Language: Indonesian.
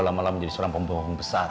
lama lama jadi seorang pembohongan besar